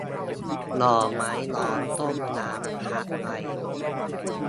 หน่อไม้ดองต้มล้างพักไว้